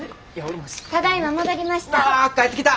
ただいま戻りました。